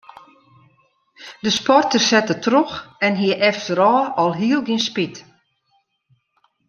De sporter sette troch en hie efterôf alhiel gjin spyt.